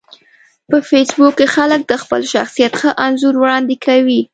په فېسبوک کې خلک د خپل شخصیت ښه انځور وړاندې کوي